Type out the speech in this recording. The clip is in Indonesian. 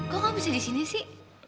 kok kamu bisa di sini sih